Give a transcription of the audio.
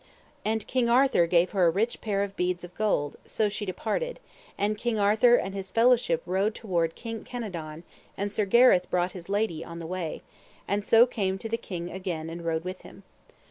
And King Arthur gave her a rich pair of bee of gold; and so she departed. And King Arthur and his fellowship rode toward Kink Kenadon, and Sir Gareth brought his lady on the way, and so came to the king again and rode with him.